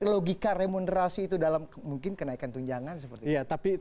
logika remunerasi itu dalam mungkin kenaikan tunjangan seperti itu